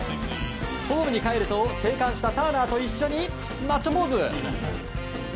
ホームにかえると生還したターナーと一緒にマッチョポーズ！